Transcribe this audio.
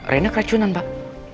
reyna keracunan pak